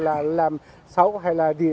là làm xấu hay là gì